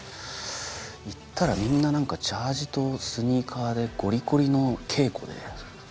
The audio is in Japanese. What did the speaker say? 行ったらみんな何かジャージーとスニーカーでゴリゴリの稽古で。